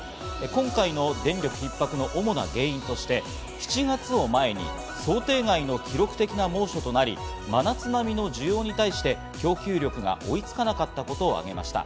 今回の電力ひっ迫の主な原因として、７月を前に想定外の記録的な猛暑となり、真夏並みの需要に対して、供給力が追いつかなかったことを挙げました。